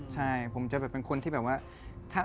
ใช่ผมจะเป็นคนที่แบบว่า